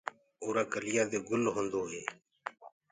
اُرآ ڪليآ دي گُل هودو هي۔